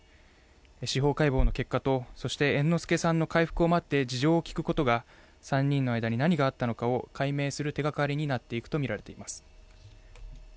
司法解剖の結果と、そして猿之助さんの回復を待って事情を聴くことが３人の間に何があったのかを解明する手がかりになっていくとみられます。